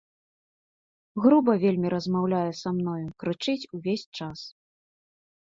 Груба вельмі размаўляе са мною, крычыць увесь час.